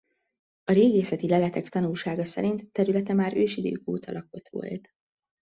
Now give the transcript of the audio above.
A régészeti leletek tanúsága szerint területe már ősidők óta lakott volt.